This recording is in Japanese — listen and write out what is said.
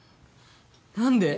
何で？